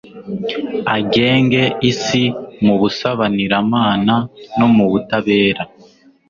agenge isi mu busabaniramana no mu butabera